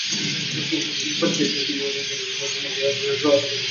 ঈমান থেকে শক্তিশালী এমন কোন শক্তি নেই যা শত্রুর হাত থেকে তোমাদেরকে বাঁচাতে পারে।